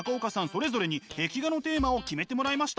それぞれに壁画のテーマを決めてもらいました。